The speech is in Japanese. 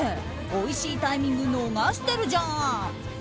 おいしいタイミング逃してるじゃん！